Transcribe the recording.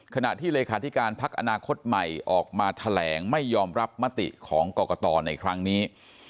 ขณะที่เลขาธิการพักอนาคตใหม่ออกมาแถลงไม่ยอมรับมติของกรกตในครั้งนี้